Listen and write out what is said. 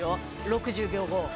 ６０秒後。